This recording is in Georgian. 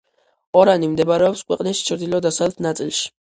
ორანი მდებარეობს ქვეყნის ჩრდილო-დასავლეთ ნაწილში.